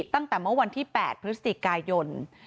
ตั้งแต่เมื่อวันที่๘พฤศจิกายน